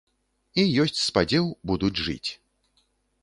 І ёсць спадзеў, будуць жыць.